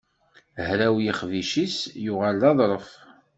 Hraw yixebbic-is yuɣal d aḍṛef.